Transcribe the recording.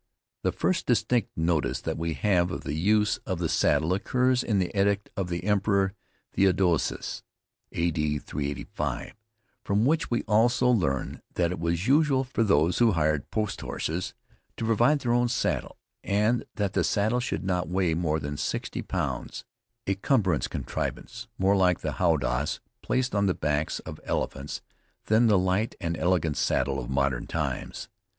The first distinct notice that we have of the use of the saddle occurs in the edict of the Emperor Theodosias, (A.D. 385) from which we also learn that it was usual for those who hired post horses, to provide their own saddle, and that the saddle should not weigh more than sixty pounds, a cumbrous contrivance, more like the howdahs placed on the backs of elephants than the light and elegant saddle of modern times.